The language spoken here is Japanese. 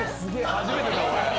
初めてだ俺。